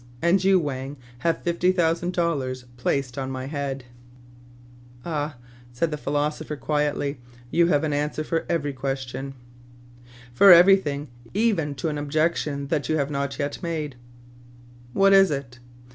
And you, Wang, have fifty thousand dollars placed on ray head/' "Ah !" said the phil^/sopher quietly, "you have an answer for every question/' " For every thing, even to an objection that you have not yet made/' "What is it?"